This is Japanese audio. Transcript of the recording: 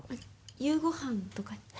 夕ごはんとかに。